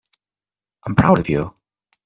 I'm proud of you.